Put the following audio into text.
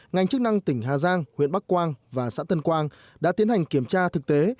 ngành chức năng tỉnh hà giang huyện bắc quang và xã tân quang đã tiến hành kiểm tra thực tế